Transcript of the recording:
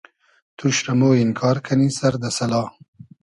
توش رۂ مۉ اینکار کئنی سئر دۂ سئلا